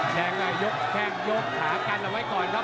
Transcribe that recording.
แข่งหากันละไว้ก่อนครับ